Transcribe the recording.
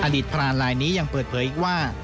พรานลายนี้ยังเปิดเผยอีกว่า